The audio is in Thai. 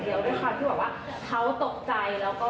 เขาบอกว่าทีกไปครั้งเดียวแต่จริงแล้วพอเราไปดู